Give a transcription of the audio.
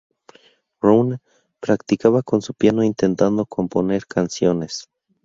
Browne practicaba con su piano intentando componer canciones.